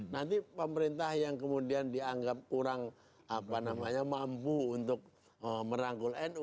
nanti pemerintah yang kemudian dianggap kurang mampu untuk merangkul nu